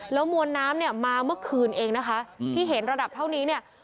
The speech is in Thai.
แล้วมวลน้ำเนี่ยมาเมื่อคืนเองนะคะที่เห็นระดับเท่านี้เนี่ย